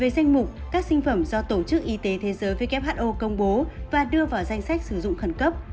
về danh mục các sinh phẩm do tổ chức y tế thế giới who công bố và đưa vào danh sách sử dụng khẩn cấp